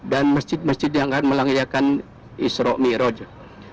dan masjid masjid yang akan melanggihakan isro mi rojo